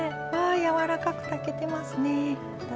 やわらかく炊けてますね。